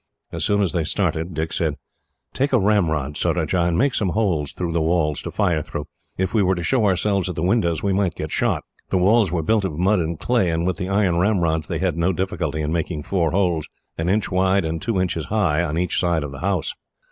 As soon as they started, Dick said: "Take a ramrod, Surajah, and make some holes through the walls, to fire through. If we were to show ourselves at the windows, we might get shot." The walls were built of mud and clay, and with the iron ramrods they had no difficulty in making four holes, an inch wide and two inches high, on each side of the house.